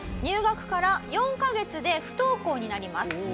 入学から４カ月で不登校になります。